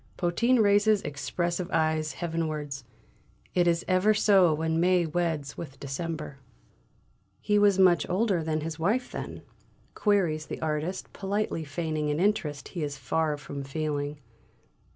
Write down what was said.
Potin raises expressive eyes heavenwards. "It is ever so when May weds with December." "He was much older than his wife, then?" queries the artist, politely feigning an interest he is far from feeling.